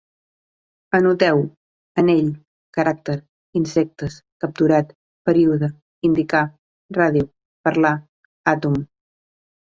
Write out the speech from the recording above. Anoteu: anell, caràcter, insectes, capturat, període, indicar, ràdio, parlar, àtom